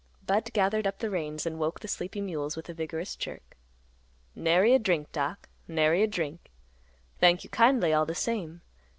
Budd gathered up the reins and woke the sleepy mules with a vigorous jerk. "Nary a drink, Doc; nary a drink. Thank you kindly all the same.